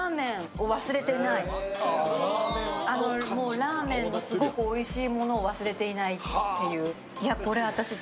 ラーメンのすごくおいしいものを忘れていないっていう。